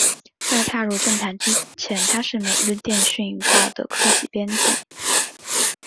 在踏入政坛之前他是每日电讯报的科技编辑。